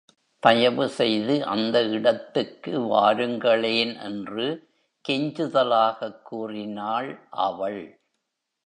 தயவு செய்து அந்த இடத்துக்கு வாருங்களேன் என்று கெஞ்சுதலாகக் கூறினாள் அவள்.